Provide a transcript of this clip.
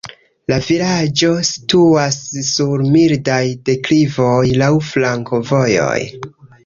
La vilaĝo situas sur mildaj deklivoj, laŭ flankovojoj.